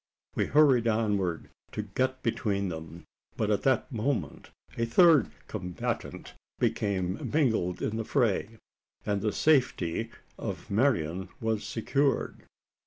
We hurried onward to get between them; but at that moment a third combatant became mingled in the fray, and the safety of Marian was secured.